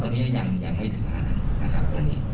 ปลอมขึ้นมาใช่ไหมครับ